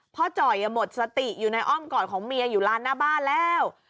จ่อยหมดสติอยู่ในอ้อมกอดของเมียอยู่ร้านหน้าบ้านแล้ว